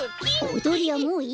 おどりはもういいから。